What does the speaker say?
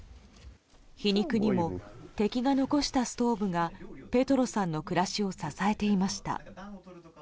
皮肉にも敵が残したストーブがペトロさんの暮らしを支えていました。